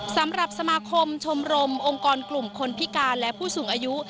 สำหรับสมาคมชมรมองค์กรกลุ่มคนพิการและผู้สูงอายุ